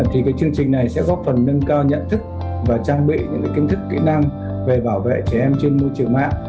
thì cái chương trình này sẽ góp phần nâng cao nhận thức và trang bị những kiến thức kỹ năng về bảo vệ trẻ em trên môi trường mạng